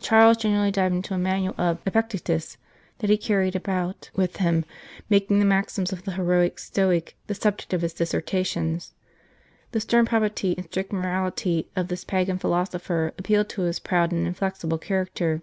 Charles generally dived into a manual of Epictetus that he carried about with him, making the maxims of the heroic Stoic the subject of his dissertations. The stern probity and strict morality of this pagan phi losopher appealed to his proud and inflexible character.